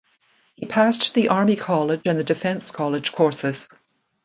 He passed the Army College and the Defence College courses.